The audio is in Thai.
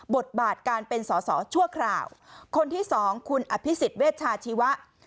บทบาทการเป็นสอสอชั่วคราวคนที่สองคุณอภิษฎเวชาชีวะ